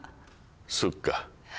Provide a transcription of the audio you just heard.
そっか。